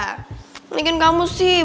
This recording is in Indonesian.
mendingan kamu sih